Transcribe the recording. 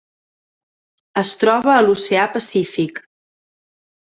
Es troba a l'Oceà Pacífic.